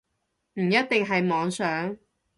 唔一定係妄想